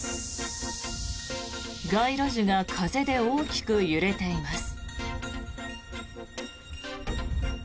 街路樹が風で大きく揺れています。